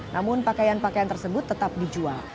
namun pakaian pakaian tersebut tetap dijual